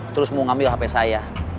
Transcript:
terus mau ngambil hp saya